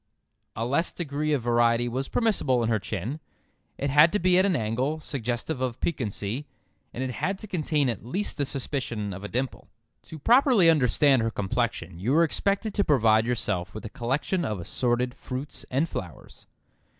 A less degree of variety was permissible in her chin. It had to be at an angle suggestive of piquancy, and it had to contain at least the suspicion of a dimple. To properly understand her complexion you were expected to provide yourself with a collection of assorted fruits and flowers.